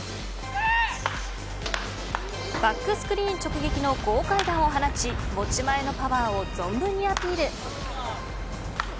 バックスクリーン直撃の豪快弾を放ち持ち前のパワーを存分にアピール。